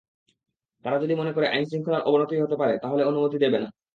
তারা যদি মনে করে আইনশৃঙ্খলার অবনতি হতে পারে, তাহলে অনুমতি দেবে না।